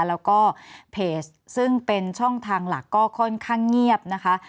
แล้วก็เพจซึ่งเป็นช่องทางหลักก็ค่อนข้างเงียบนะคะ